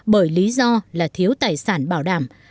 bởi lý do là thiếu tài sản bảo đảm